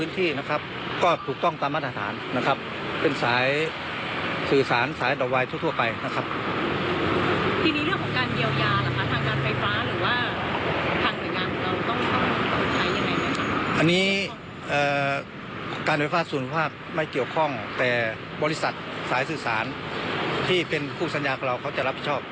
ทั้งหมดครับ